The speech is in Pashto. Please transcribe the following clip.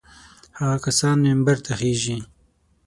هغه کسان منبر ته خېژي.